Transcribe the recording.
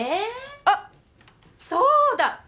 あっそうだ。